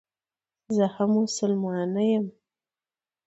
زه هم مسلمانه یم.